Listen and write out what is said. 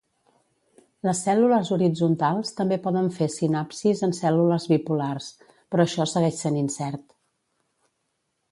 Les cèl·lules horitzontals també poden fer sinapsis en cèl·lules bipolars, però això segueix sent incert.